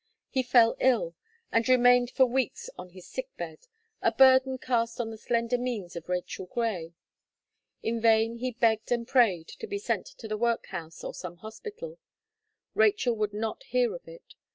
He fell ill, and remained for weeks on his sick bed, a burden cast on the slender means of Rachel Gray. In vain he begged and prayed to be sent to the workhouse or some hospital; Rachel would not hear of it.